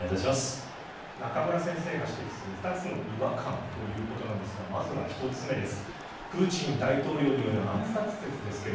中村先生が指摘する２つの違和感ということですがまずは１つ目です。